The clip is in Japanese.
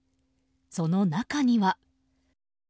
その中には。